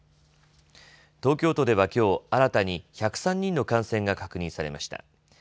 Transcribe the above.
東京都では、きょう新たに１０３人の感染が確認されました。